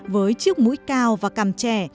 với chiếc mũi cao và vàng